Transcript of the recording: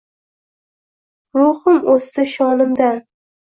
Ruhimo’sdi shonimdan.